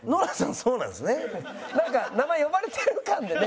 なんか名前呼ばれてる感でね。